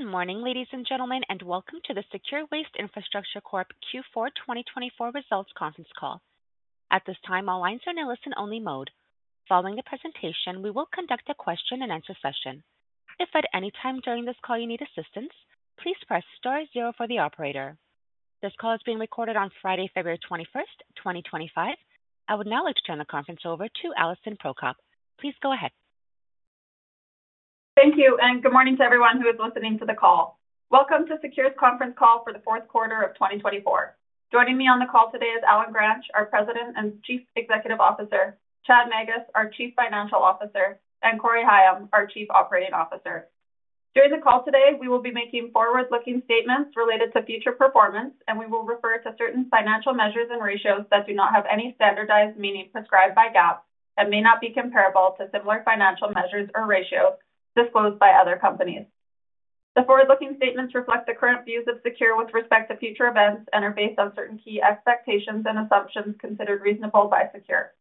Good morning, ladies and gentlemen, and welcome to the SECURE Waste Infrastructure Corp Q4 2024 results conference call. At this time, all lines are in a listen-only mode. Following the presentation, we will conduct a question-and-answer session. If at any time during this call you need assistance, please press star zero for the operator. This call is being recorded on Friday, February 21st, 2025. I will now turn the conference over to Alison Prokop. Please go ahead. Thank you, and good morning to everyone who is listening to the call. Welcome to SECURE's conference call for the fourth quarter of 2024. Joining me on the call today is Allen Gransch, our President and Chief Executive Officer, Chad Magus, our Chief Financial Officer, and Corey Higham, our Chief Operating Officer. During the call today, we will be making forward-looking statements related to future performance, and we will refer to certain financial measures and ratios that do not have any standardized meaning prescribed by GAAP and may not be comparable to similar financial measures or ratios disclosed by other companies. The forward-looking statements reflect the current views of SECURE with respect to future events and are based on certain key expectations and assumptions considered reasonable by SECURE.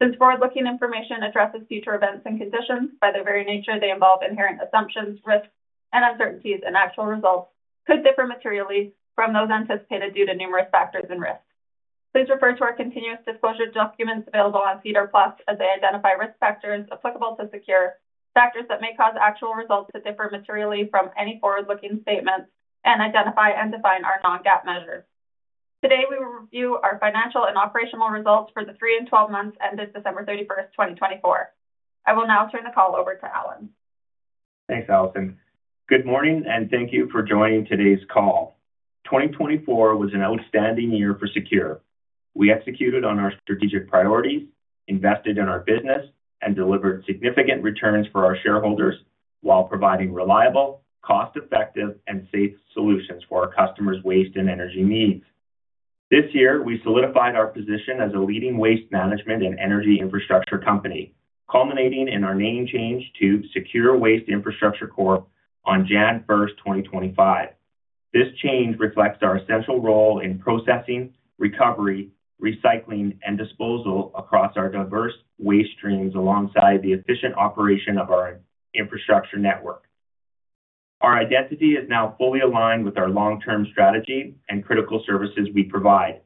Since forward-looking information addresses future events and conditions, by their very nature, they involve inherent assumptions, risks, and uncertainties, and actual results could differ materially from those anticipated due to numerous factors and risks. Please refer to our continuous disclosure documents available on SEDAR+ as they identify risk factors applicable to SECURE, factors that may cause actual results to differ materially from any forward-looking statements, and identify and define our non-GAAP measures. Today, we will review our financial and operational results for the three and twelve months ended December 31st, 2024. I will now turn the call over to Allen. Thanks, Alison. Good morning, and thank you for joining today's call. 2024 was an outstanding year for SECURE. We executed on our strategic priorities, invested in our business, and delivered significant returns for our shareholders while providing reliable, cost-effective, and safe solutions for our customers' waste and energy needs. This year, we solidified our position as a leading waste management and energy infrastructure company, culminating in our name change to SECURE Waste Infrastructure Corp on January 1st, 2025. This change reflects our essential role in processing, recovery, recycling, and disposal across our diverse waste streams alongside the efficient operation of our infrastructure network. Our identity is now fully aligned with our long-term strategy and critical services we provide.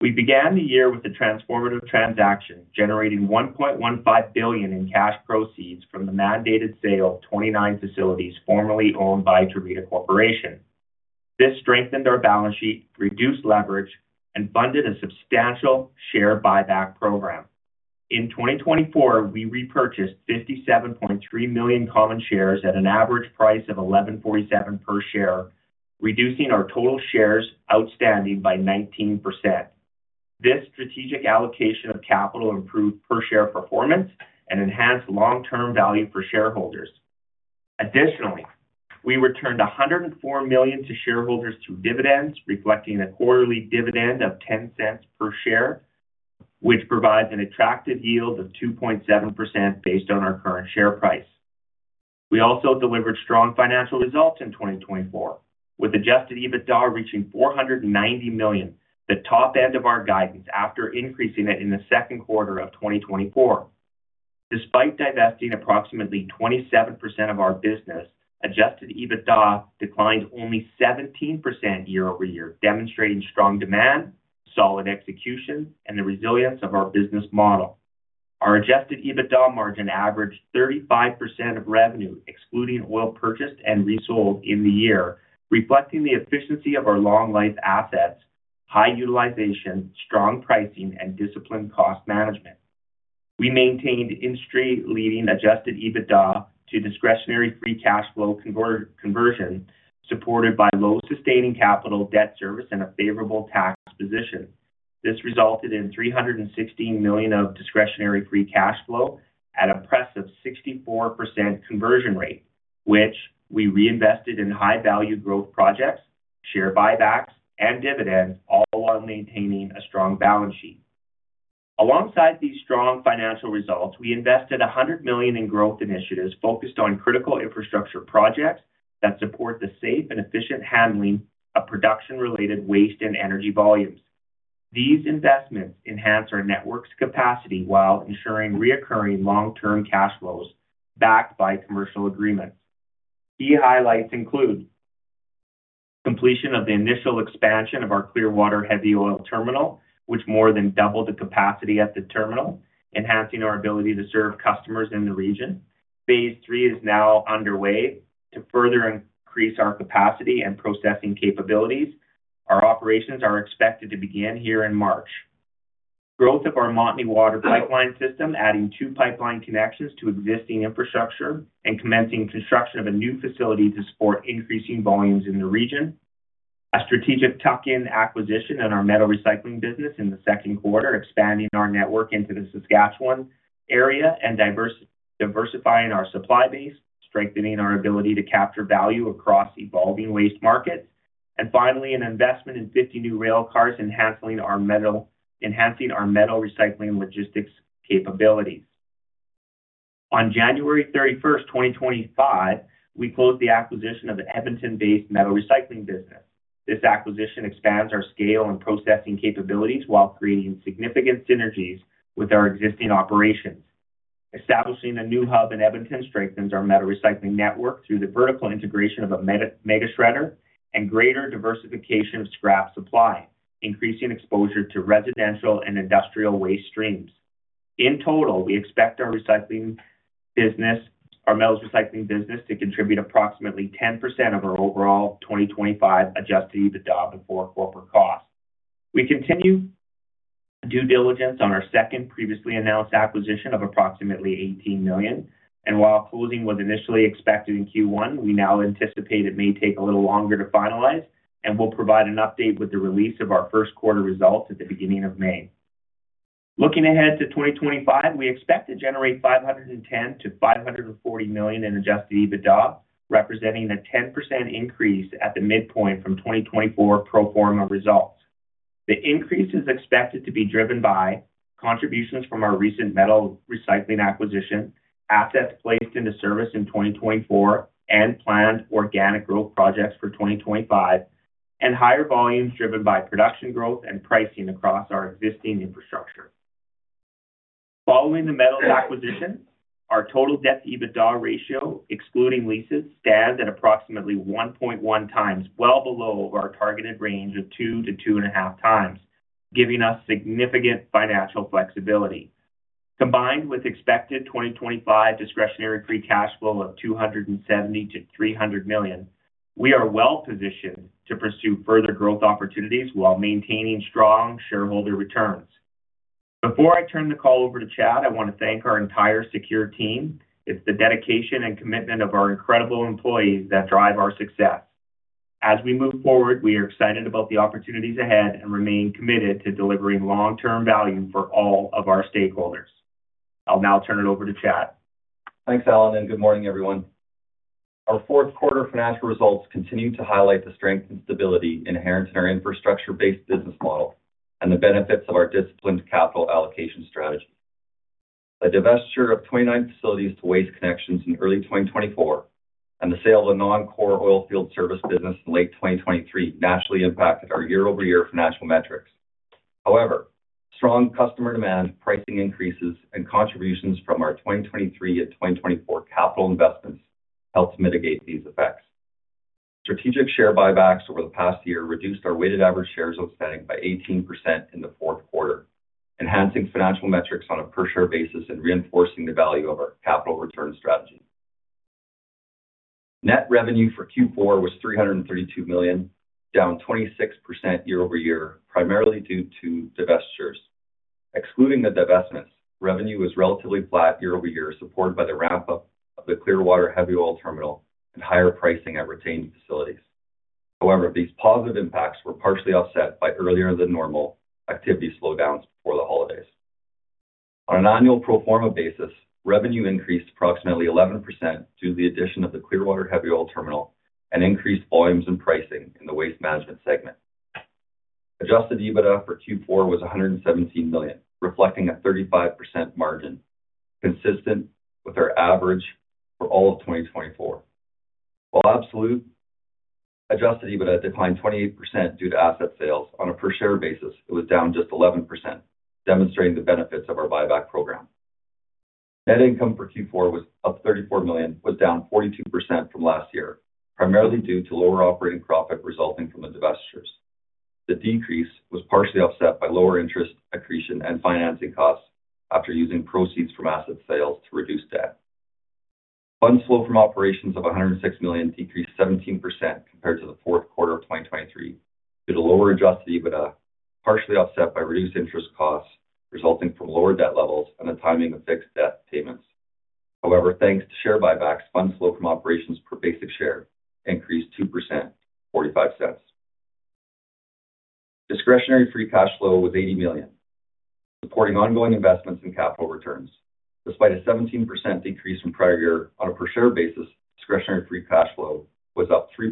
We began the year with a transformative transaction, generating 1.15 billion in cash proceeds from the mandated sale of 29 facilities formerly owned by Tervita Corporation. This strengthened our balance sheet, reduced leverage, and funded a substantial share buyback program. In 2024, we repurchased 57.3 million common shares at an average price of 11.47 per share, reducing our total shares outstanding by 19%. This strategic allocation of capital improved per-share performance and enhanced long-term value for shareholders. Additionally, we returned 104 million to shareholders through dividends, reflecting a quarterly dividend of 0.10 per share, which provides an attractive yield of 2.7% based on our current share price. We also delivered strong financial results in 2024, with Adjusted EBITDA reaching 490 million, the top end of our guidance after increasing it in the second quarter of 2024. Despite divesting approximately 27% of our business, Adjusted EBITDA declined only 17% year-over-year, demonstrating strong demand, solid execution, and the resilience of our business model. Our Adjusted EBITDA margin averaged 35% of revenue, excluding oil purchased and resold in the year, reflecting the efficiency of our long-life assets, high utilization, strong pricing, and disciplined cost management. We maintained industry-leading Adjusted EBITDA to Discretionary Free Cash Flow conversion, supported by low sustaining capital, debt service, and a favorable tax position. This resulted in $316 million of Discretionary Free Cash Flow at a rate of 64% conversion rate, which we reinvested in high-value growth projects, share buybacks, and dividends, all while maintaining a strong balance sheet. Alongside these strong financial results, we invested $100 million in growth initiatives focused on critical infrastructure projects that support the safe and efficient handling of production-related waste and energy volumes. These investments enhance our network's capacity while ensuring recurring long-term cash flows backed by commercial agreements. Key highlights include completion of the initial expansion of our Clearwater Heavy Oil Terminal, which more than doubled the capacity at the terminal, enhancing our ability to serve customers in the region. Phase three is now underway to further increase our capacity and processing capabilities. Our operations are expected to begin here in March. Growth of our Montney water pipeline system, adding two pipeline connections to existing infrastructure and commencing construction of a new facility to support increasing volumes in the region. A strategic tuck-in acquisition in our metal recycling business in the second quarter, expanding our network into the Saskatchewan area and diversifying our supply base, strengthening our ability to capture value across evolving waste markets, and finally, an investment in 50 new rail cars enhancing our metal recycling logistics capabilities. On January 31st, 2025, we closed the acquisition of the Edmonton-based metal recycling business. This acquisition expands our scale and processing capabilities while creating significant synergies with our existing operations. Establishing a new hub in Edmonton strengthens our metal recycling network through the vertical integration of a mega shredder and greater diversification of scrap supply, increasing exposure to residential and industrial waste streams. In total, we expect our metal recycling business to contribute approximately 10% of our overall 2025 Adjusted EBITDA before corporate costs. We continue due diligence on our second previously announced acquisition of approximately 18 million, and while closing was initially expected in Q1, we now anticipate it may take a little longer to finalize and will provide an update with the release of our first quarter results at the beginning of May. Looking ahead to 2025, we expect to generate 510 million-540 million in Adjusted EBITDA, representing a 10% increase at the midpoint from 2024 pro forma results. The increase is expected to be driven by contributions from our recent metal recycling acquisition, assets placed into service in 2024, and planned organic growth projects for 2025, and higher volumes driven by production growth and pricing across our existing infrastructure. Following the metal acquisition, our total debt to EBITDA ratio, excluding leases, stands at approximately 1.1 times, well below our targeted range of 2-2.5 times, giving us significant financial flexibility. Combined with expected 2025 discretionary free cash flow of 270 million-300 million, we are well positioned to pursue further growth opportunities while maintaining strong shareholder returns. Before I turn the call over to Chad, I want to thank our entire SECURE team. It's the dedication and commitment of our incredible employees that drive our success. As we move forward, we are excited about the opportunities ahead and remain committed to delivering long-term value for all of our stakeholders. I'll now turn it over to Chad. Thanks, Allen, and good morning, everyone. Our fourth quarter financial results continue to highlight the strength and stability inherent in our infrastructure-based business model and the benefits of our disciplined capital allocation strategy. A divestiture of 29 facilities to Waste Connections in early 2024 and the sale of a non-core oil field service business in late 2023 naturally impacted our year-over-year financial metrics. However, strong customer demand, pricing increases, and contributions from our 2023 and 2024 capital investments helped mitigate these effects. Strategic share buybacks over the past year reduced our weighted average shares outstanding by 18% in the fourth quarter, enhancing financial metrics on a per-share basis and reinforcing the value of our capital return strategy. Net revenue for Q4 was 332 million, down 26% year-over-year, primarily due to divestitures. Excluding the divestments, revenue was relatively flat year-over-year, supported by the ramp-up of the Clearwater Heavy Oil Terminal and higher pricing at retained facilities. However, these positive impacts were partially offset by earlier-than-normal activity slowdowns before the holidays. On an annual pro forma basis, revenue increased approximately 11% due to the addition of the Clearwater Heavy Oil Terminal and increased volumes and pricing in the waste management segment. Adjusted EBITDA for Q4 was 117 million, reflecting a 35% margin, consistent with our average for all of 2024. While absolute Adjusted EBITDA declined 28% due to asset sales on a per-share basis, it was down just 11%, demonstrating the benefits of our buyback program. Net income for Q4 was up 34 million, was down 42% from last year, primarily due to lower operating profit resulting from the divestitures. The decrease was partially offset by lower interest accretion and financing costs after using proceeds from asset sales to reduce debt. Funds Flow from Operations of $106 million decreased 17% compared to the fourth quarter of 2023 due to lower Adjusted EBITDA, partially offset by reduced interest costs resulting from lower debt levels and the timing of fixed debt payments. However, thanks to share buybacks, Funds Flow from Operations per basic share increased 2%, $0.45. Discretionary free cash flow was $80 million, supporting ongoing investments and capital returns. Despite a 17% decrease from prior year on a per-share basis, discretionary free cash flow was up 3%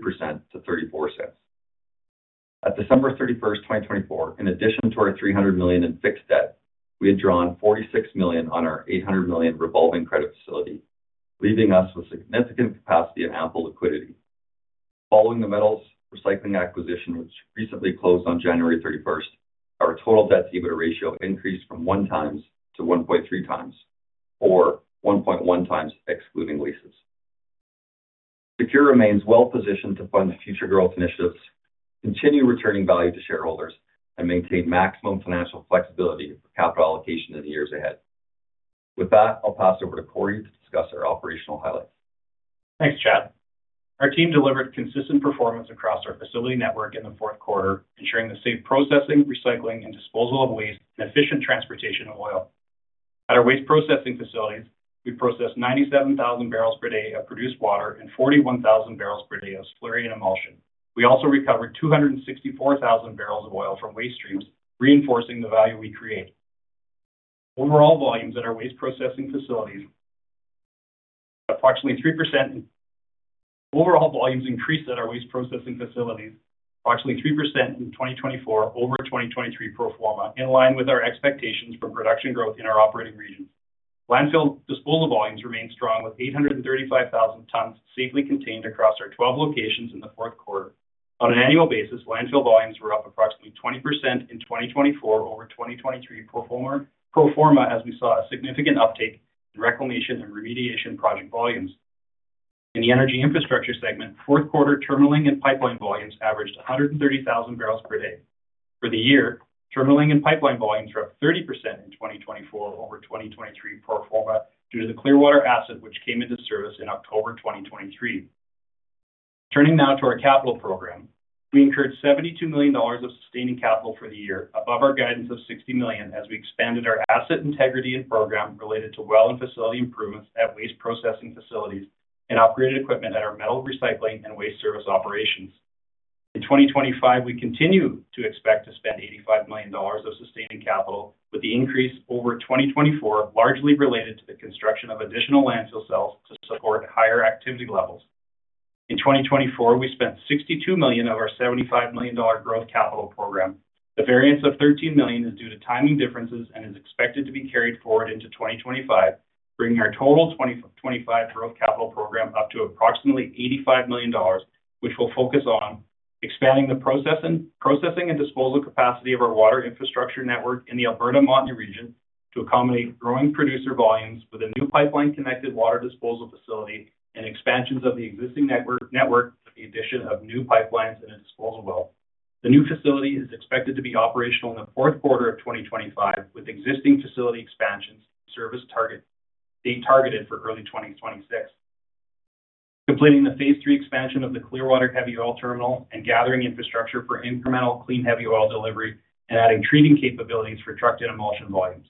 to $0.34. At December 31st, 2024, in addition to our $300 million in fixed debt, we had drawn $46 million on our $800 million revolving credit facility, leaving us with significant capacity and ample liquidity. Following the metals recycling acquisition, which recently closed on January 31st, our total debt to EBITDA ratio increased from 1 times to 1.3 times, or 1.1 times excluding leases. SECURE remains well positioned to fund future growth initiatives, continue returning value to shareholders, and maintain maximum financial flexibility for capital allocation in the years ahead. With that, I'll pass it over to Corey to discuss our operational highlights. Thanks, Chad. Our team delivered consistent performance across our facility network in the fourth quarter, ensuring the safe processing, recycling, and disposal of waste, and efficient transportation of oil. At our waste processing facilities, we processed 97,000 bbl per day of produced water and 41,000 bbl per day of slurry and emulsion. We also recovered 264,000 bbl of oil from waste streams, reinforcing the value we create. Overall volumes increased at our waste processing facilities approximately 3% in 2024 over 2023 pro forma, in line with our expectations from production growth in our operating regions. Landfill disposal volumes remained strong, with 835,000 tons safely contained across our 12 locations in the fourth quarter. On an annual basis, landfill volumes were up approximately 20% in 2024 over 2023 pro forma, as we saw a significant uptake in reclamation and remediation project volumes. In the energy infrastructure segment, fourth quarter terminalling and pipeline volumes averaged 130,000 bbl per day. For the year, terminalling and pipeline volumes were up 30% in 2024 over 2023 pro forma due to the Clearwater asset, which came into service in October 2023. Turning now to our capital program, we incurred 72 million dollars of sustaining capital for the year, above our guidance of 60 million, as we expanded our asset integrity and program related to well and facility improvements at waste processing facilities and upgraded equipment at our metal recycling and waste service operations. In 2025, we continue to expect to spend 85 million dollars of sustaining capital, with the increase over 2024 largely related to the construction of additional landfill cells to support higher activity levels. In 2024, we spent 62 million of our 75 million dollar growth capital program. The variance of 13 million is due to timing differences and is expected to be carried forward into 2025, bringing our total 2025 growth capital program up to approximately 85 million dollars, which will focus on expanding the processing and disposal capacity of our water infrastructure network in the Alberta-Montney region to accommodate growing producer volumes with a new pipeline-connected water disposal facility and expansions of the existing network with the addition of new pipelines and a disposal well. The new facility is expected to be operational in the fourth quarter of 2025, with existing facility expansions and service target date targeted for early 2026, completing the phase three expansion of the Clearwater Heavy Oil Terminal and gathering infrastructure for incremental clean heavy oil delivery and adding treating capabilities for trucked and emulsion volumes.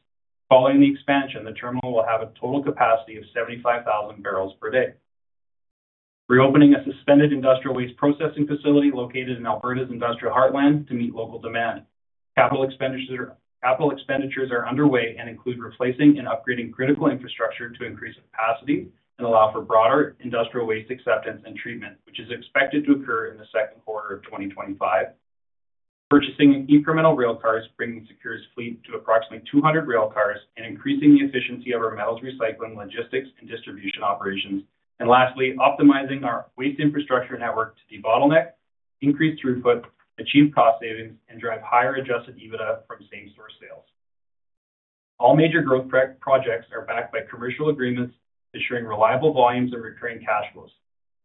Following the expansion, the terminal will have a total capacity of 75,000 bbl per day, reopening a suspended industrial waste processing facility located in Alberta's Industrial Heartland to meet local demand. Capital expenditures are underway and include replacing and upgrading critical infrastructure to increase capacity and allow for broader industrial waste acceptance and treatment, which is expected to occur in the second quarter of 2025, purchasing incremental rail cars, bringing SECURE's fleet to approximately 200 rail cars and increasing the efficiency of our metals recycling logistics and distribution operations, and lastly, optimizing our waste infrastructure network to de-bottleneck, increase throughput, achieve cost savings, and drive higher Adjusted EBITDA from same-store sales. All major growth projects are backed by commercial agreements, ensuring reliable volumes and recurring cash flows.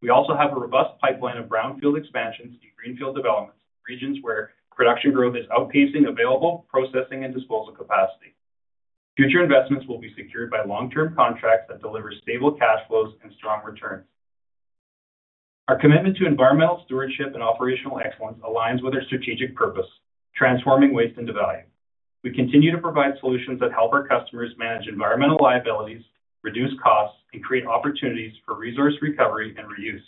We also have a robust pipeline of brownfield expansions and greenfield developments in regions where production growth is outpacing available processing and disposal capacity. Future investments will be secured by long-term contracts that deliver stable cash flows and strong returns. Our commitment to environmental stewardship and operational excellence aligns with our strategic purpose: transforming waste into value. We continue to provide solutions that help our customers manage environmental liabilities, reduce costs, and create opportunities for resource recovery and reuse.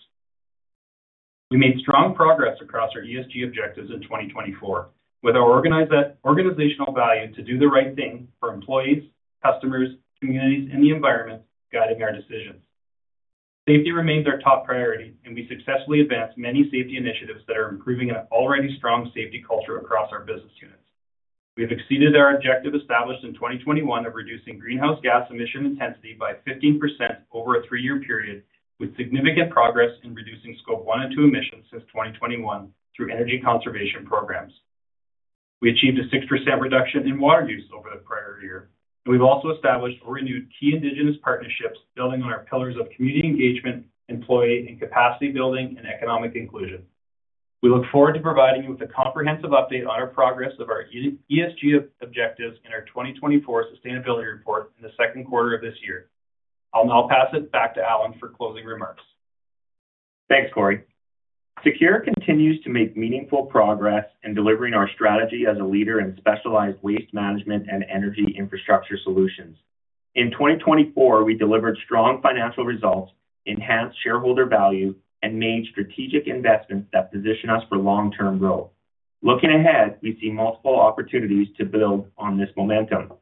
We made strong progress across our ESG objectives in 2024, with our organizational value to do the right thing for employees, customers, communities, and the environment, guiding our decisions. Safety remains our top priority, and we successfully advanced many safety initiatives that are improving an already strong safety culture across our business units. We have exceeded our objective established in 2021 of reducing greenhouse gas emission intensity by 15% over a three-year period, with significant progress in reducing Scope 1 and 2 emissions since 2021 through energy conservation programs. We achieved a 6% reduction in water use over the prior year, and we've also established or renewed key indigenous partnerships, building on our pillars of community engagement, employee and capacity building, and economic inclusion. We look forward to providing you with a comprehensive update on our progress of our ESG objectives in our 2024 sustainability report in the second quarter of this year. I'll now pass it back to Allen for closing remarks. Thanks, Corey. SECURE continues to make meaningful progress in delivering our strategy as a leader in specialized waste management and energy infrastructure solutions. In 2024, we delivered strong financial results, enhanced shareholder value, and made strategic investments that position us for long-term growth. Looking ahead, we see multiple opportunities to build on this momentum.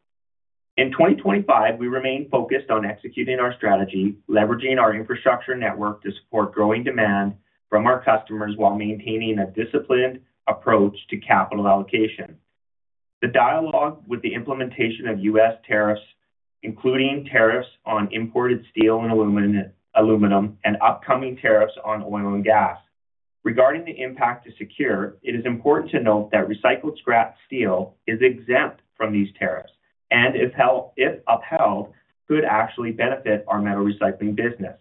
In 2025, we remain focused on executing our strategy, leveraging our infrastructure network to support growing demand from our customers while maintaining a disciplined approach to capital allocation. The dialogue with the implementation of U.S. tariffs, including tariffs on imported steel and aluminum, and upcoming tariffs on oil and gas. Regarding the impact to SECURE, it is important to note that recycled scrap steel is exempt from these tariffs and, if upheld, could actually benefit our metal recycling business.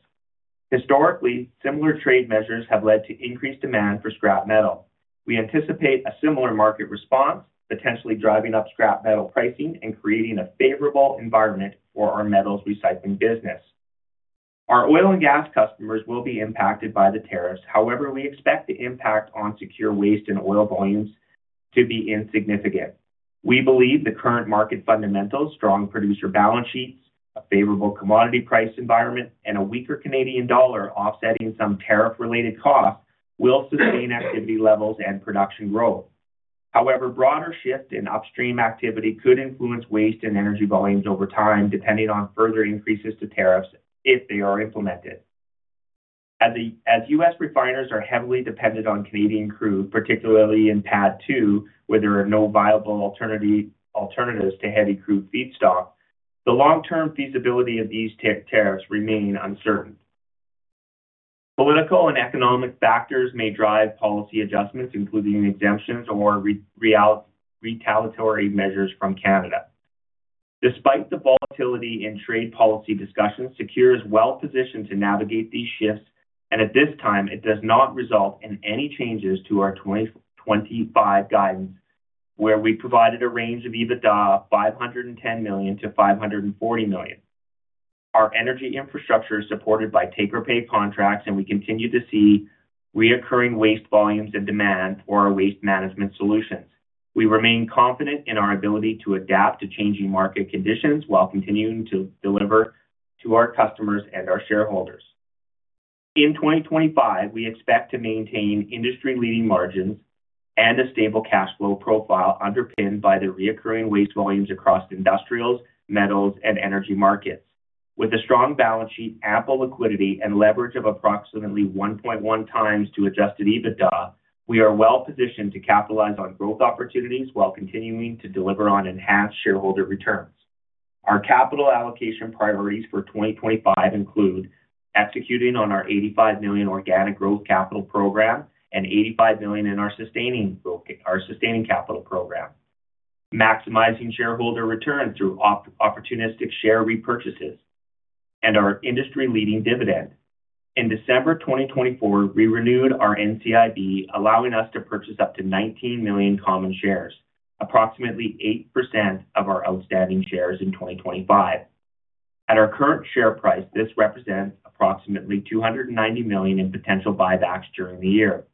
Historically, similar trade measures have led to increased demand for scrap metal. We anticipate a similar market response, potentially driving up scrap metal pricing and creating a favorable environment for our metals recycling business. Our oil and gas customers will be impacted by the tariffs. However, we expect the impact on SECURE Waste and oil volumes to be insignificant. We believe the current market fundamentals, strong producer balance sheets, a favorable commodity price environment, and a weaker Canadian dollar offsetting some tariff-related costs will sustain activity levels and production growth. However, broader shift in upstream activity could influence waste and energy volumes over time, depending on further increases to tariffs if they are implemented. As U.S. refiners are heavily dependent on Canadian crude, particularly in PADD 2, where there are no viable alternatives to heavy crude feedstock, the long-term feasibility of these tariffs remains uncertain. Political and economic factors may drive policy adjustments, including exemptions or retaliatory measures from Canada. Despite the volatility in trade policy discussions, SECURE is well positioned to navigate these shifts, and at this time, it does not result in any changes to our 2025 guidance, where we provided a range of EBITDA of 510 million to 540 million. Our energy infrastructure is supported by take-or-pay contracts, and we continue to see recurring waste volumes and demand for our waste management solutions. We remain confident in our ability to adapt to changing market conditions while continuing to deliver to our customers and our shareholders. In 2025, we expect to maintain industry-leading margins and a stable cash flow profile underpinned by the recurring waste volumes across industrials, metals, and energy markets. With a strong balance sheet, ample liquidity, and leverage of approximately 1.1 times to Adjusted EBITDA, we are well positioned to capitalize on growth opportunities while continuing to deliver on enhanced shareholder returns. Our capital allocation priorities for 2025 include executing on our 85 million organic growth capital program and 85 million in our sustaining capital program, maximizing shareholder returns through opportunistic share repurchases, and our industry-leading dividend. In December 2024, we renewed our NCIB, allowing us to purchase up to 19 million common shares, approximately 8% of our outstanding shares in 2025. At our current share price, this represents approximately 290 million in potential buybacks during the year.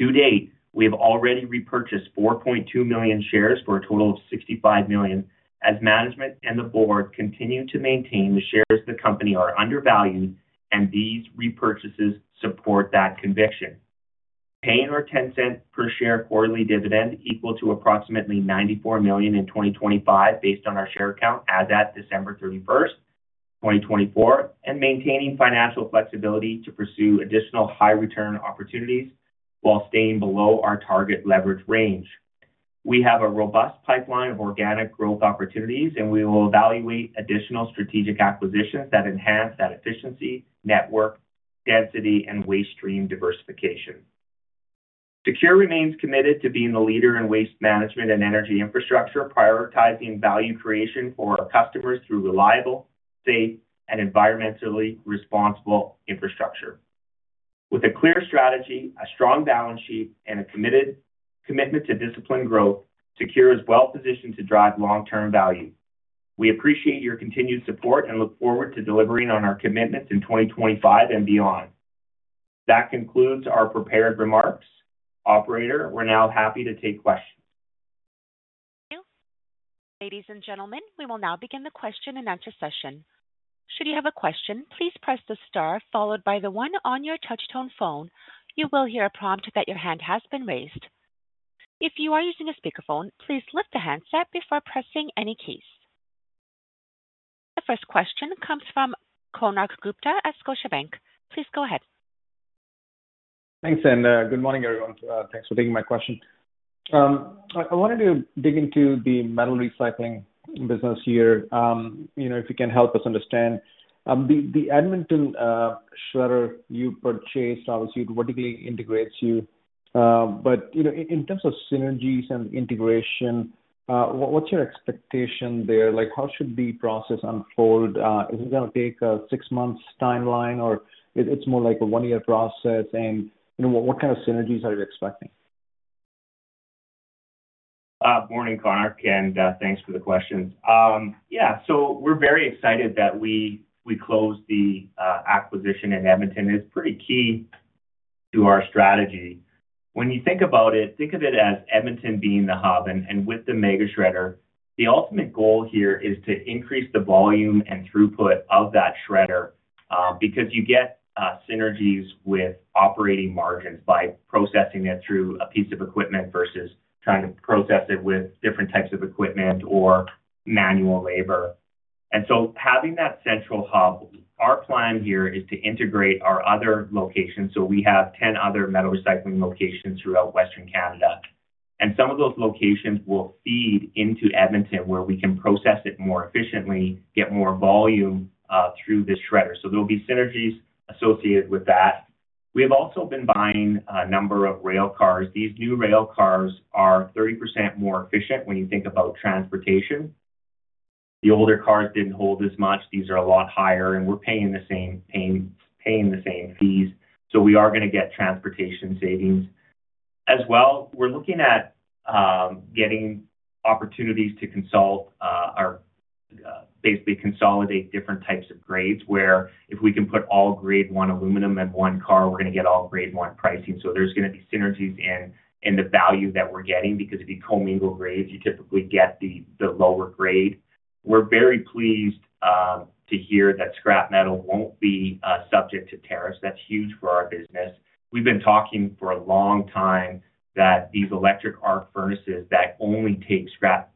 To date, we have already repurchased 4.2 million shares for a total of 65 million, as management and the board continue to maintain the shares of the company are undervalued, and these repurchases support that conviction. Paying our 0.10 per share quarterly dividend equal to approximately 94 million in 2025, based on our share count as at December 31st, 2024, and maintaining financial flexibility to pursue additional high-return opportunities while staying below our target leverage range. We have a robust pipeline of organic growth opportunities, and we will evaluate additional strategic acquisitions that enhance that efficiency, network density, and waste stream diversification. SECURE remains committed to being the leader in waste management and energy infrastructure, prioritizing value creation for our customers through reliable, safe, and environmentally responsible infrastructure. With a clear strategy, a strong balance sheet, and a committed commitment to disciplined growth, SECURE is well positioned to drive long-term value. We appreciate your continued support and look forward to delivering on our commitments in 2025 and beyond. That concludes our prepared remarks. Operator, we're now happy to take questions. Thank you. Ladies and gentlemen, we will now begin the question and answer session. Should you have a question, please press the star followed by the one on your touch-tone phone. You will hear a prompt that your hand has been raised. If you are using a speakerphone, please lift the handset before pressing any keys. The first question comes from Konark Gupta at Scotiabank. Please go ahead. Thanks, and good morning, everyone. Thanks for taking my question. I wanted to dig into the metal recycling business here. If you can help us understand, the Edmonton shredder you purchased, obviously, it vertically integrates you. But in terms of synergies and integration, what's your expectation there? How should the process unfold? Is it going to take a six-month timeline, or it's more like a one-year process? And what kind of synergies are you expecting? Morning, Konark, and thanks for the questions. Yeah, so we're very excited that we closed the acquisition in Edmonton. It's pretty key to our strategy. When you think about it, think of it as Edmonton being the hub and with the mega shredder. The ultimate goal here is to increase the volume and throughput of that shredder because you get synergies with operating margins by processing it through a piece of equipment versus trying to process it with different types of equipment or manual labor, and so having that central hub, our plan here is to integrate our other locations, so we have 10 other metal recycling locations throughout Western Canada, and some of those locations will feed into Edmonton, where we can process it more efficiently, get more volume through the shredder, so there will be synergies associated with that. We have also been buying a number of rail cars. These new rail cars are 30% more efficient when you think about transportation. The older cars didn't hold as much. These are a lot higher, and we're paying the same fees. So we are going to get transportation savings. As well, we're looking at getting opportunities to consolidate, basically consolidate different types of grades, where if we can put all Grade 1 aluminum in one car, we're going to get all Grade 1 pricing. So there's going to be synergies in the value that we're getting because if you co-mingle grades, you typically get the lower grade. We're very pleased to hear that scrap metal won't be subject to tariffs. That's huge for our business. We've been talking for a long time that these electric arc furnaces that only take scrap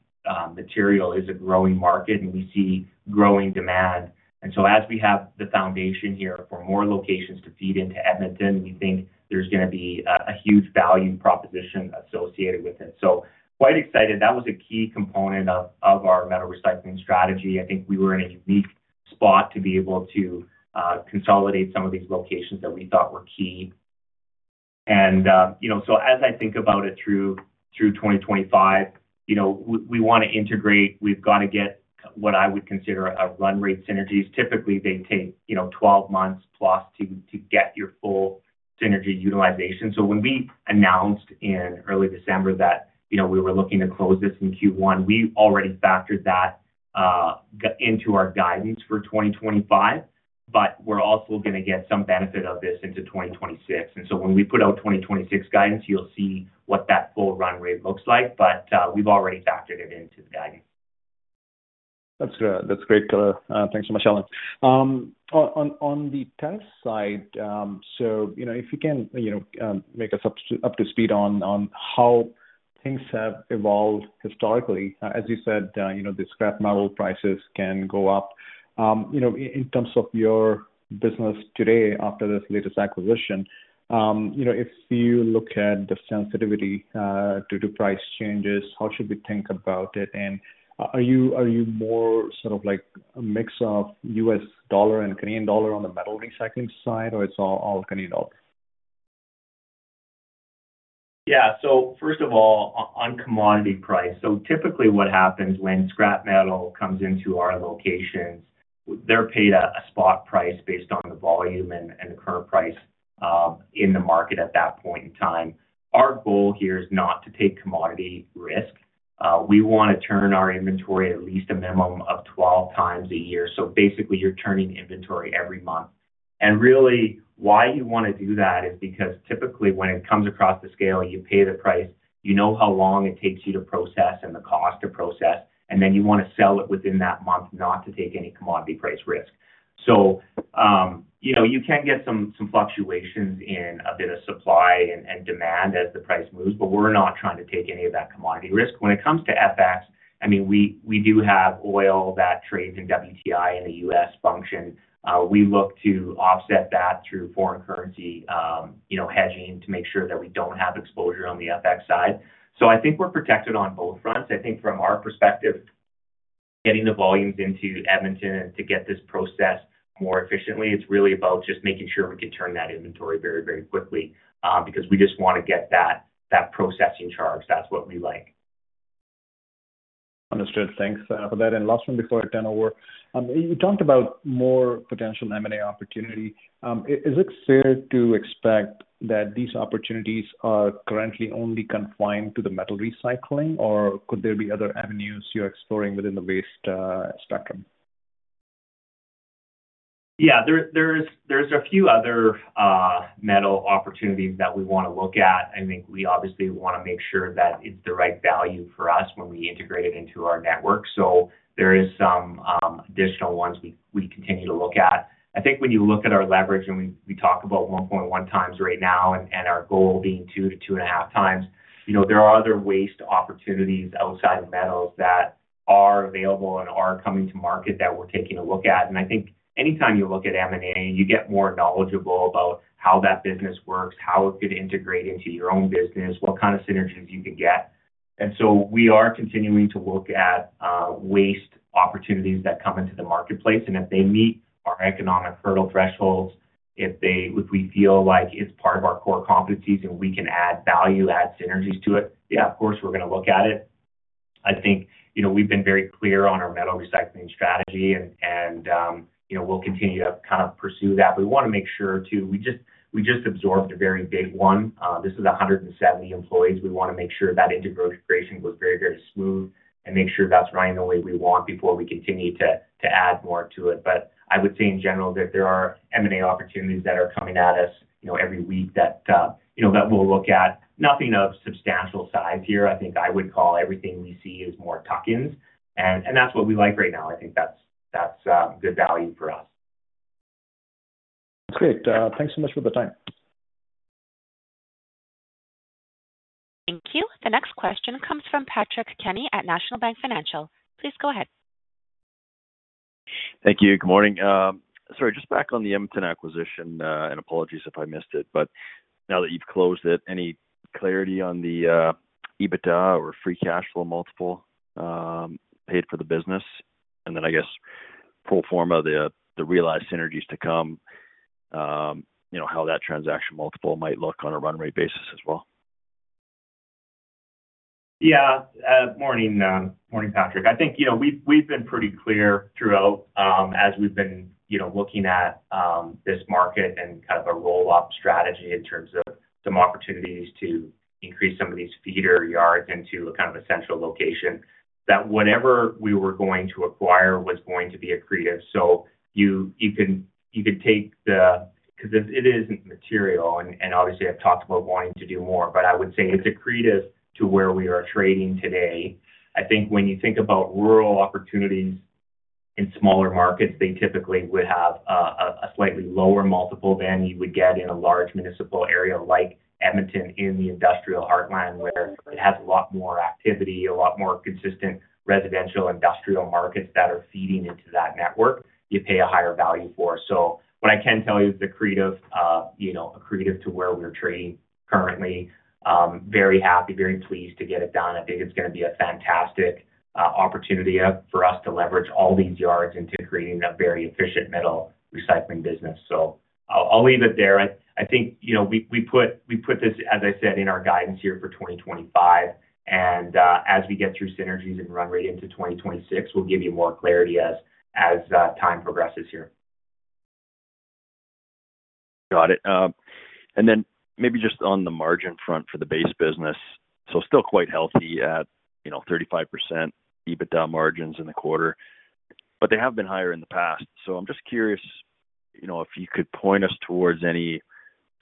material is a growing market, and we see growing demand, and so as we have the foundation here for more locations to feed into Edmonton, we think there's going to be a huge value proposition associated with it, so quite excited. That was a key component of our metal recycling strategy. I think we were in a unique spot to be able to consolidate some of these locations that we thought were key, and so as I think about it through 2025, we want to integrate. We've got to get what I would consider run rate synergies. Typically, they take 12 months plus to get your full synergy utilization. So when we announced in early December that we were looking to close this in Q1, we already factored that into our guidance for 2025, but we're also going to get some benefit of this into 2026. And so when we put out 2026 guidance, you'll see what that full run rate looks like, but we've already factored it into the guidance. That's great color. Thanks so much, Allen. On the tariff side, so if you can make us up to speed on how things have evolved historically, as you said, the scrap metal prices can go up. In terms of your business today after this latest acquisition, if you look at the sensitivity to price changes, how should we think about it? And are you more sort of like a mix of U.S. dollar and Canadian dollar on the metal recycling side, or it's all Canadian dollar? Yeah. So first of all, on commodity price. So typically what happens when scrap metal comes into our locations, they're paid a spot price based on the volume and the current price in the market at that point in time. Our goal here is not to take commodity risk. We want to turn our inventory at least a minimum of 12 times a year. So basically, you're turning inventory every month. And really, why you want to do that is because typically when it comes across the scale, you pay the price, you know how long it takes you to process and the cost to process, and then you want to sell it within that month, not to take any commodity price risk. So you can get some fluctuations in a bit of supply and demand as the price moves, but we're not trying to take any of that commodity risk. When it comes to FX, I mean, we do have oil that trades in WTI in USD. We look to offset that through foreign currency hedging to make sure that we don't have exposure on the FX side. So I think we're protected on both fronts. I think from our perspective, getting the volumes into Edmonton and to get this processed more efficiently, it's really about just making sure we can turn that inventory very, very quickly because we just want to get that processing charge. That's what we like. Understood. Thanks for that. And last one before I turn over. You talked about more potential M&A opportunity. Is it fair to expect that these opportunities are currently only confined to the metal recycling, or could there be other avenues you're exploring within the waste spectrum? Yeah. There's a few other metal opportunities that we want to look at. I think we obviously want to make sure that it's the right value for us when we integrate it into our network. So there are some additional ones we continue to look at. I think when you look at our leverage and we talk about 1.1 times right now and our goal being 2-2.5 times, there are other waste opportunities outside of metals that are available and are coming to market that we're taking a look at. And I think anytime you look at M&A, you get more knowledgeable about how that business works, how it could integrate into your own business, what kind of synergies you can get. And so we are continuing to look at waste opportunities that come into the marketplace. And if they meet our economic hurdle thresholds, if we feel like it's part of our core competencies and we can add value, add synergies to it, yeah, of course, we're going to look at it. I think we've been very clear on our metal recycling strategy, and we'll continue to kind of pursue that. But we want to make sure too we just absorbed a very big one. This is 170 employees. We want to make sure that integration goes very, very smooth and make sure that's running the way we want before we continue to add more to it. But I would say in general that there are M&A opportunities that are coming at us every week that we'll look at. Nothing of substantial size here. I think I would call everything we see as more tuck-ins. And that's what we like right now. I think that's good value for us. That's great. Thanks so much for the time. Thank you. The next question comes from Patrick Kenny at National Bank Financial. Please go ahead. Thank you. Good morning. Sorry, just back on the Edmonton acquisition, and apologies if I missed it, but now that you've closed it, any clarity on the EBITDA or free cash flow multiple paid for the business? And then I guess pro forma the realized synergies to come, how that transaction multiple might look on a run rate basis as well? Yeah. Morning, Patrick. I think we've been pretty clear throughout as we've been looking at this market and kind of a roll-up strategy in terms of some opportunities to increase some of these feeder yards into kind of a central location. That whatever we were going to acquire was going to be accretive. So you could take the because it isn't material, and obviously, I've talked about wanting to do more, but I would say it's accretive to where we are trading today. I think when you think about rural opportunities in smaller markets, they typically would have a slightly lower multiple than you would get in a large municipal area like Edmonton in the industrial heartland where it has a lot more activity, a lot more consistent residential industrial markets that are feeding into that network. You pay a higher value for. What I can tell you is accretive to where we're trading currently. Very happy, very pleased to get it done. I think it's going to be a fantastic opportunity for us to leverage all these yards into creating a very efficient metal recycling business. I'll leave it there. I think we put this, as I said, in our guidance here for 2025. As we get through synergies and run rate into 2026, we'll give you more clarity as time progresses here. Got it. And then maybe just on the margin front for the base business, so still quite healthy at 35% EBITDA margins in the quarter, but they have been higher in the past. So I'm just curious if you could point us towards any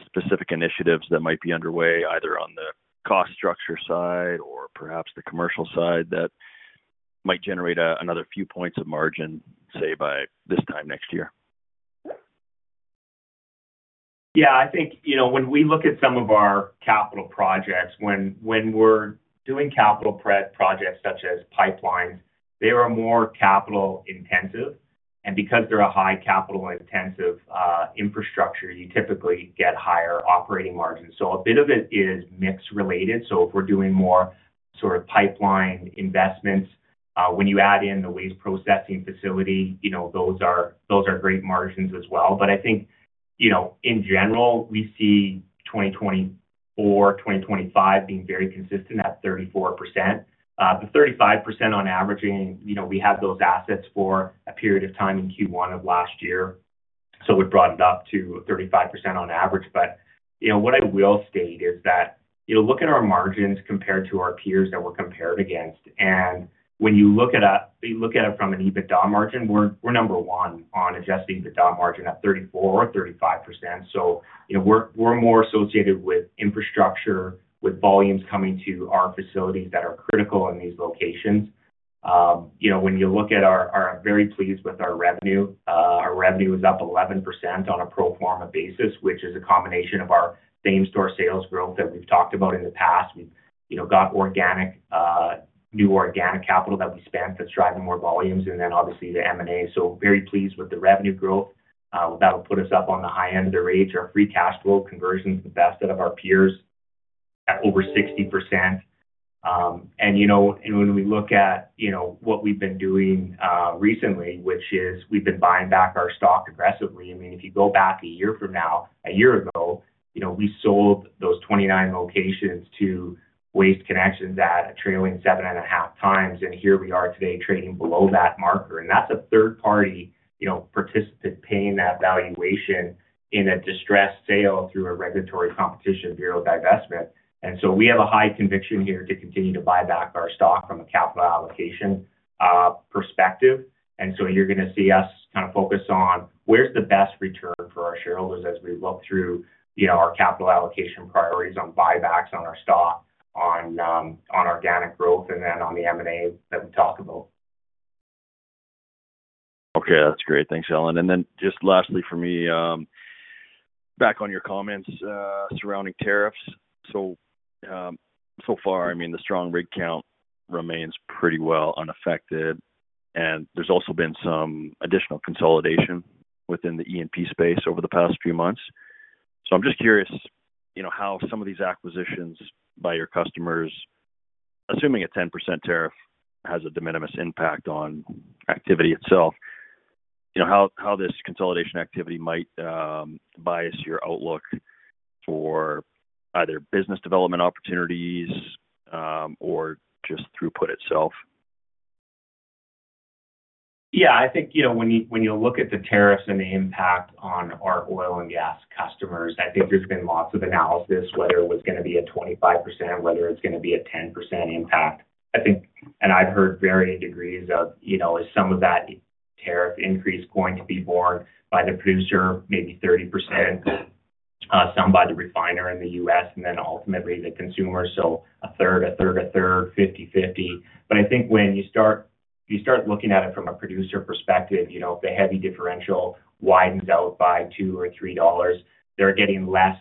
specific initiatives that might be underway either on the cost structure side or perhaps the commercial side that might generate another few points of margin, say, by this time next year. Yeah. I think when we look at some of our capital projects, when we're doing capital projects such as pipelines, they are more capital-intensive. And because they're a high capital-intensive infrastructure, you typically get higher operating margins. So a bit of it is mixed related. So if we're doing more sort of pipeline investments, when you add in the waste processing facility, those are great margins as well. But I think in general, we see 2024, 2025 being very consistent at 34%. The 35% on averaging, we had those assets for a period of time in Q1 of last year. So we brought it up to 35% on average. But what I will state is that look at our margins compared to our peers that we're compared against. And when you look at it from an EBITDA margin, we're number one on Adjusted EBITDA margin at 34% or 35%. We're more associated with infrastructure, with volumes coming to our facilities that are critical in these locations. When you look at it, we're very pleased with our revenue. Our revenue is up 11% on a pro forma basis, which is a combination of our same-store sales growth that we've talked about in the past. We've got new organic capital that we spent that's driving more volumes, and then obviously the M&A. We're very pleased with the revenue growth. That'll put us up on the high end of the range. Our free cash flow conversion is the best out of our peers at over 60%. When we look at what we've been doing recently, which is we've been buying back our stock aggressively. I mean, if you go back a year from now, a year ago, we sold those 29 locations to Waste Connections at a trailing seven and a half times. And here we are today trading below that multiple. And that's a third-party participant paying that valuation in a distressed sale through a Competition Bureau divestment. And so we have a high conviction here to continue to buy back our stock from a capital allocation perspective. And so you're going to see us kind of focus on where's the best return for our shareholders as we look through our capital allocation priorities on buybacks on our stock, on organic growth, and then on the M&A that we talk about. Okay. That's great. Thanks, Allen. And then just lastly for me, back on your comments surrounding tariffs. So far, I mean, the strong rig count remains pretty well unaffected. And there's also been some additional consolidation within the E&P space over the past few months. So I'm just curious how some of these acquisitions by your customers, assuming a 10% tariff has a de minimis impact on activity itself, how this consolidation activity might bias your outlook for either business development opportunities or just throughput itself. Yeah. I think when you look at the tariffs and the impact on our oil and gas customers, I think there's been lots of analysis whether it was going to be a 25%, whether it's going to be a 10% impact. And I've heard varying degrees of is some of that tariff increase going to be borne by the producer, maybe 30%, some by the refiner in the U.S., and then ultimately the consumer. So a third, a third, a third, 50/50. But I think when you start looking at it from a producer perspective, if the heavy differential widens out by $2-$3, they're getting less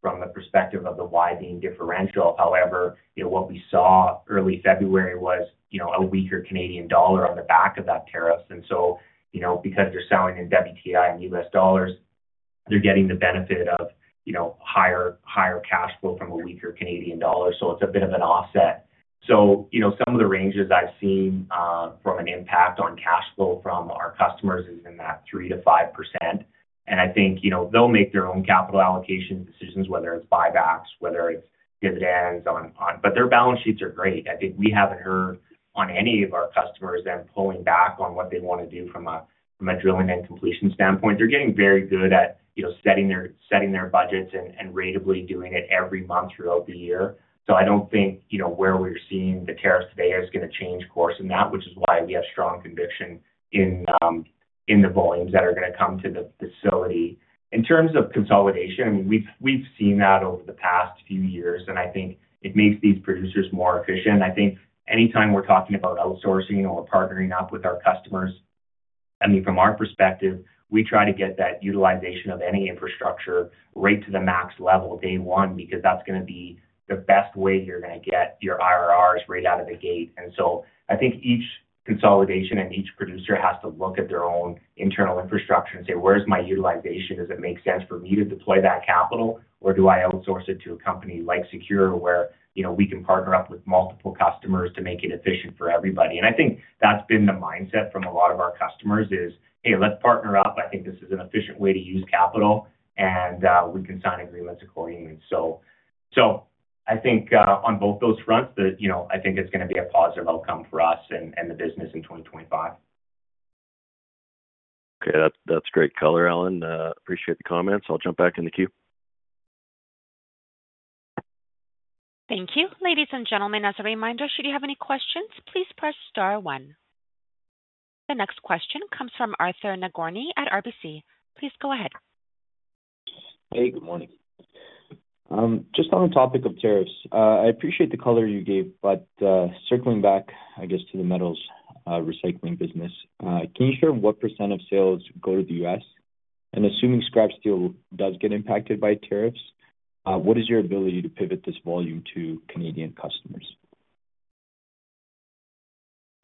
from the perspective of the widening differential. However, what we saw early February was a weaker Canadian dollar on the back of that tariff. And so because they're selling in WTI and U.S. Dollars, they're getting the benefit of higher cash flow from a weaker Canadian dollar. So it's a bit of an offset. So some of the ranges I've seen from an impact on cash flow from our customers is in that 3%-5%. And I think they'll make their own capital allocation decisions, whether it's buybacks, whether it's dividends. But their balance sheets are great. I think we haven't heard on any of our customers them pulling back on what they want to do from a drilling and completion standpoint. They're getting very good at setting their budgets and ratably doing it every month throughout the year. So I don't think where we're seeing the tariffs today is going to change course in that, which is why we have strong conviction in the volumes that are going to come to the facility. In terms of consolidation, I mean, we've seen that over the past few years, and I think it makes these producers more efficient. I think anytime we're talking about outsourcing or partnering up with our customers, I mean, from our perspective, we try to get that utilization of any infrastructure right to the max level day one because that's going to be the best way you're going to get your IRRs right out of the gate. And so I think each consolidation and each producer has to look at their own internal infrastructure and say, "Where's my utilization? Does it make sense for me to deploy that capital, or do I outsource it to a company like SECURE where we can partner up with multiple customers to make it efficient for everybody?" And I think that's been the mindset from a lot of our customers is, "Hey, let's partner up. I think this is an efficient way to use capital, and we can sign agreements accordingly." So I think on both those fronts, I think it's going to be a positive outcome for us and the business in 2025. Okay. That's great color, Allen. Appreciate the comments. I'll jump back in the queue. Thank you. Ladies and gentlemen, as a reminder, should you have any questions, please press star one. The next question comes from Arthur Nagorny at RBC. Please go ahead. Hey, good morning. Just on the topic of tariffs, I appreciate the color you gave, but circling back, I guess, to the metals recycling business, can you share what % of sales go to the U.S.? And assuming scrap steel does get impacted by tariffs, what is your ability to pivot this volume to Canadian customers?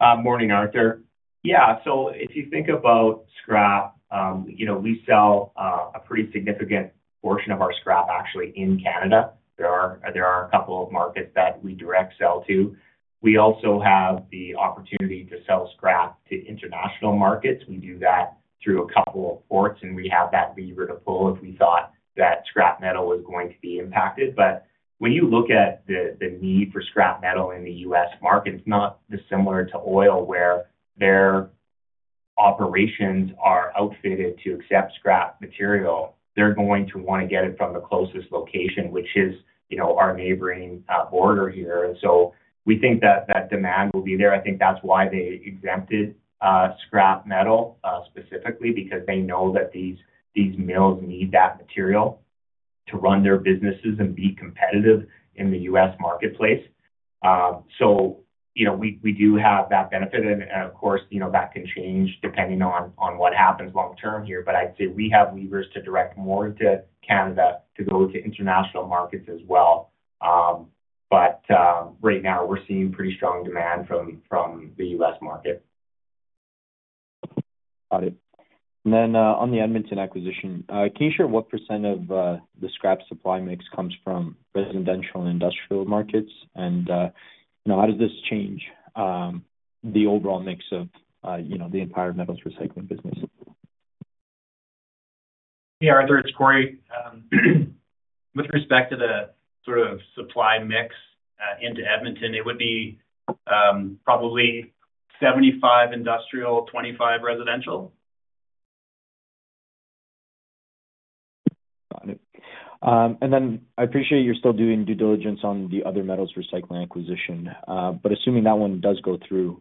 Morning, Arthur. Yeah. So if you think about scrap, we sell a pretty significant portion of our scrap actually in Canada. There are a couple of markets that we direct sell to. We also have the opportunity to sell scrap to international markets. We do that through a couple of ports, and we have that lever to pull if we thought that scrap metal was going to be impacted. But when you look at the need for scrap metal in the U.S. market, it's not dissimilar to oil where their operations are outfitted to accept scrap material. They're going to want to get it from the closest location, which is our neighboring border here. And so we think that that demand will be there. I think that's why they exempted scrap metal specifically because they know that these mills need that material to run their businesses and be competitive in the U.S. marketplace. So we do have that benefit. And of course, that can change depending on what happens long-term here. But I'd say we have levers to direct more to Canada to go to international markets as well. But right now, we're seeing pretty strong demand from the U.S. market. Got it. And then on the Edmonton acquisition, can you share what % of the scrap supply mix comes from residential and industrial markets? And how does this change the overall mix of the entire metals recycling business? Hey, Arthur, it's Corey. With respect to the sort of supply mix into Edmonton, it would be probably 75 industrial, 25 residential. Got it, and then I appreciate you're still doing due diligence on the other metals recycling acquisition, but assuming that one does go through,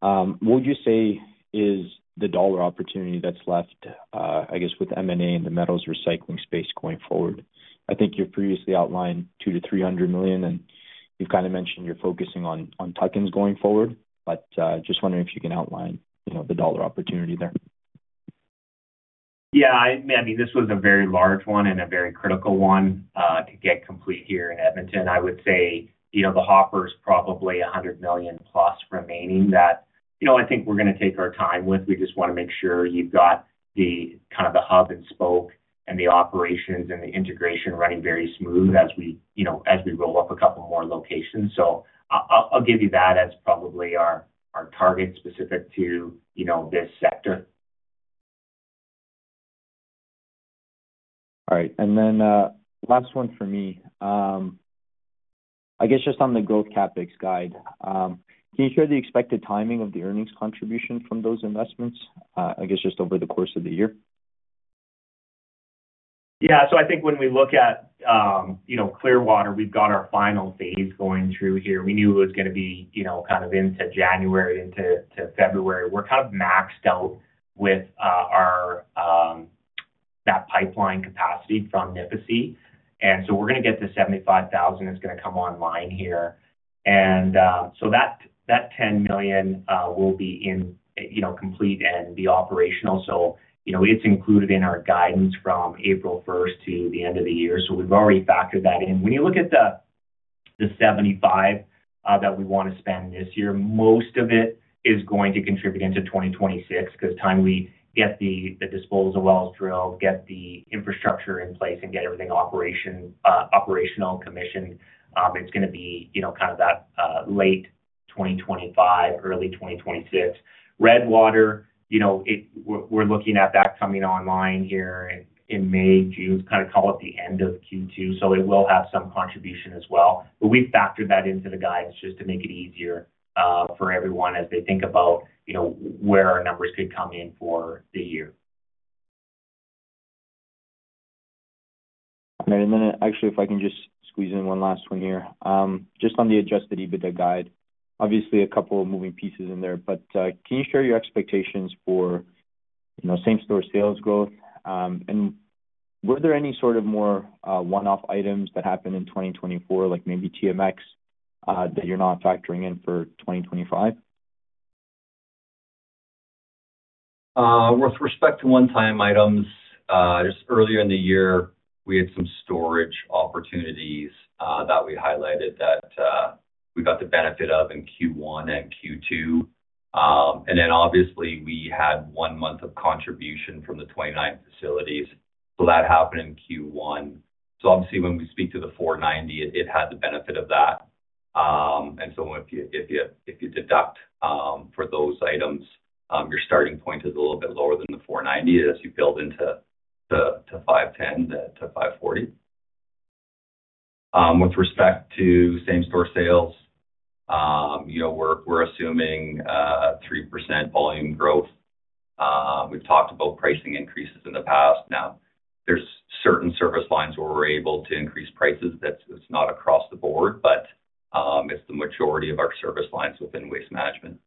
what would you say is the dollar opportunity that's left, I guess, with M&A in the metals recycling space going forward. I think you previously outlined 200 million-300 million, and you've kind of mentioned you're focusing on tuck-ins going forward, but just wondering if you can outline the dollar opportunity there. Yeah. I mean, this was a very large one and a very critical one to get complete here in Edmonton. I would say the hopper is probably 100 million plus remaining that I think we're going to take our time with. We just want to make sure you've got kind of the hub and spoke and the operations and the integration running very smooth as we roll up a couple more locations. So I'll give you that as probably our target specific to this sector. All right. And then last one for me. I guess just on the growth CapEx guide, can you share the expected timing of the earnings contribution from those investments, I guess, just over the course of the year? Yeah. So I think when we look at Clearwater, we've got our final phase going through here. We knew it was going to be kind of into January, into February. We're kind of maxed out with that pipeline capacity from Nipisi. And so we're going to get to 75,000. It's going to come online here. And so that 10 million will be complete and be operational. So it's included in our guidance from April 1st to the end of the year. So we've already factored that in. When you look at the 75 that we want to spend this year, most of it is going to contribute into 2026 because by the time we get the disposal wells drilled, get the infrastructure in place, and get everything operational commissioned, it's going to be kind of that late 2025, early 2026. Redwater, we're looking at that coming online here in May, June, kind of call it the end of Q2. So it will have some contribution as well. But we've factored that into the guidance just to make it easier for everyone as they think about where our numbers could come in for the year. All right. And then actually, if I can just squeeze in one last one here. Just on the Adjusted EBITDA guide, obviously a couple of moving pieces in there, but can you share your expectations for same-store sales growth? And were there any sort of more one-off items that happened in 2024, like maybe TMX, that you're not factoring in for 2025? With respect to one-time items, just earlier in the year, we had some storage opportunities that we highlighted that we got the benefit of in Q1 and Q2. And then obviously, we had one month of contribution from the 29 facilities. So that happened in Q1. So obviously, when we speak to the 490, it had the benefit of that. And so if you deduct for those items, your starting point is a little bit lower than the 490 as you build into 510 to 540. With respect to same-store sales, we're assuming 3% volume growth. We've talked about pricing increases in the past. Now, there's certain service lines where we're able to increase prices. It's not across the board, but it's the majority of our service lines within waste management.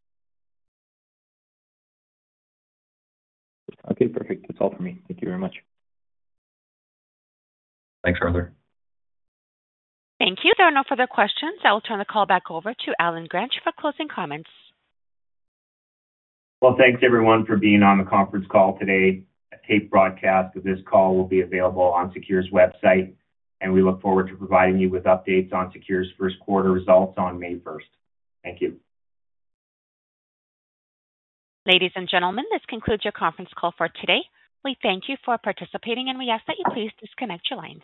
Okay. Perfect. That's all for me. Thank you very much. Thanks, Arthur. Thank you. There are no further questions. I will turn the call back over to Allen Gransch for closing comments. Thanks everyone for being on the conference call today. A tape broadcast of this call will be available on SECURE's website, and we look forward to providing you with updates on SECURE's first quarter results on May 1st. Thank you. Ladies and gentlemen, this concludes your conference call for today. We thank you for participating, and we ask that you please disconnect your lines.